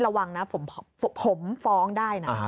ระวังนะผมฟ้องได้นะ